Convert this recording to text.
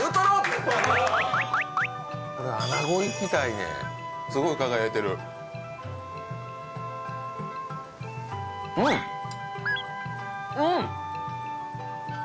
これ穴子いきたいねすごい輝いてるうんっうん！